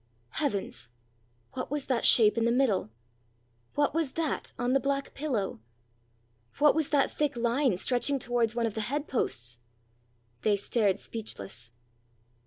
Heavens! what was that shape in the middle? what was that on the black pillow? what was that thick line stretching towards one of the head posts? They stared speechless.